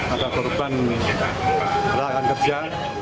ada korban kerlakan kerja